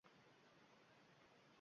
Bor edi-ku qo‘lginangda o‘tkir qalam».